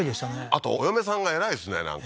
あとお嫁さんが偉いですねなんか